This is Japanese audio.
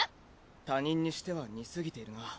他人にしては似すぎているな。